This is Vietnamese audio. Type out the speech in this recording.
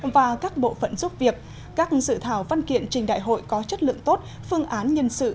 và các bộ phận giúp việc các dự thảo văn kiện trình đại hội có chất lượng tốt phương án nhân sự